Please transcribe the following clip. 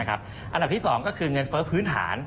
อันดับที่๒ก็คือเงินเฟ้อพื้นฐาน